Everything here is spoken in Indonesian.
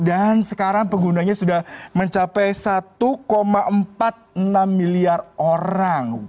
sekarang penggunanya sudah mencapai satu empat puluh enam miliar orang